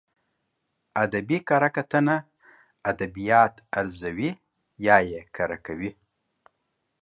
ادبي کره کتنه ادبيات ارزوي يا يې کره کوي.